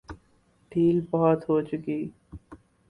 ڈھیل بہت ہو چکی۔